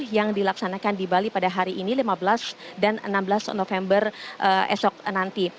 yang dilaksanakan di bali pada hari ini lima belas dan enam belas november esok nanti